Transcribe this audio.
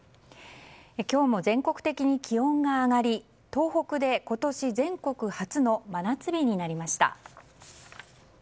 今日も全国的に気温が上がり東北で今年全国初の真夏日になりました。